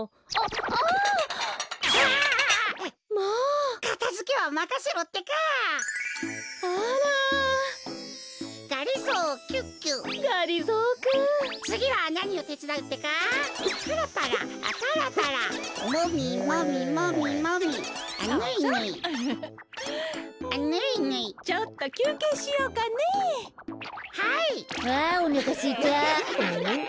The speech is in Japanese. あおなかすいた。